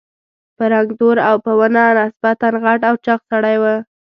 په رنګ تور او په ونه نسبتاً غټ او چاغ سړی و.